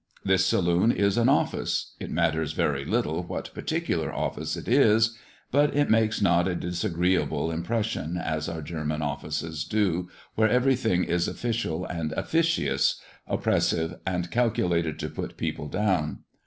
This saloon is an office it matters very little what particular office it is but it makes not a disagreeable impression as our German offices do where everything is official and officious, oppressive, and calculated to put people down.